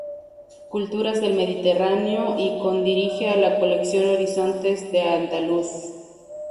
Culturas del Mediterráneo" y co-dirige la colección "Horizontes de al-Andalus".